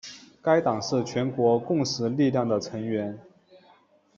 该党是全国共识力量的成员。